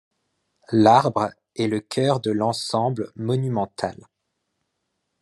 L'arbre est le cœur de l'ensemble monumental.